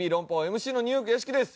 ＭＣのニューヨーク屋敷です。